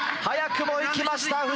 早くもいきました。